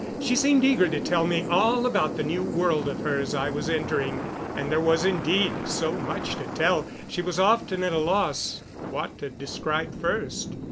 She seemed eager to tell me all about the new world of hers I was entering, and there was indeed so much to tell she was often at a loss what to describe first.